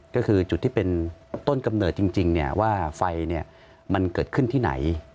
ก็คือจุดที่เป็นต้นกำเนิดจริงว่าไฟมันเกิดขึ้นที่ไหน